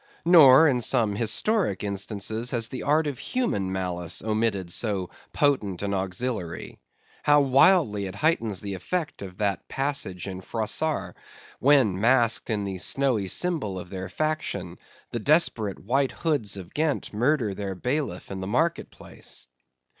Nor, in some historic instances, has the art of human malice omitted so potent an auxiliary. How wildly it heightens the effect of that passage in Froissart, when, masked in the snowy symbol of their faction, the desperate White Hoods of Ghent murder their bailiff in the market place!